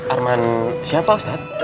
arman siapa ustadz